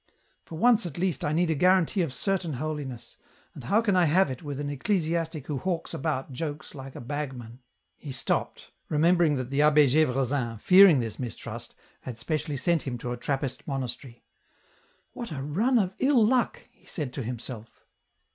For once at least I need a guarantee of certain holiness, and how can I have it with an ecclesiastic who hawks about jokes like a bag man ?" He stopped, remembering that the Abb^ Gdvre sin, fearing this mistrust, had specially sent him to a Trappist monastery. " What a run of ill luck !" he said to himself.